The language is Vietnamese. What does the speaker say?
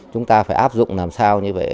chúng ta phải áp dụng làm sao như vậy